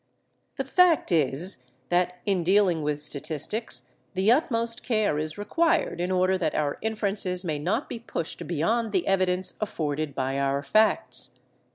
The fact is, that in dealing with statistics the utmost care is required in order that our inferences may not be pushed beyond the evidence afforded by our facts.